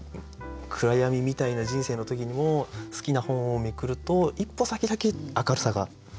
暗闇みたいな人生の時にも好きな本をめくると一歩先だけ明るさが。